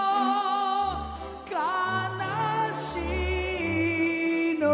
「悲しいの」